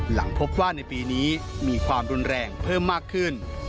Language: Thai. หลังพบว่าในปีนี้มีความรุนแรงเพิ่มมากขึ้น